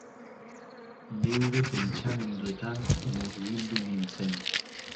Neure pentsamenduetan murgildu nintzen.